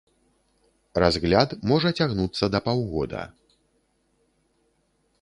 Разгляд можа цягнуцца да паўгода.